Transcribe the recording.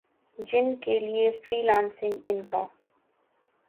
جن کے لیے فری لانسنگ ان کا